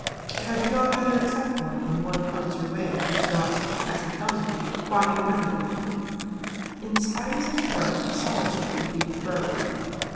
"Had you not better accept one when one comes your way who is not, as he tells you, quite unworthy of you?" "In spite of such worth solitude would be preferable."